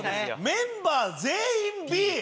メンバー全員「Ｂ」！